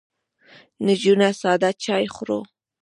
نجونو ساده چای خوړ.